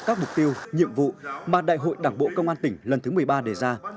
các mục tiêu nhiệm vụ mà đại hội đảng bộ công an tỉnh lần thứ một mươi ba đề ra